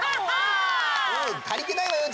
たりてないわよ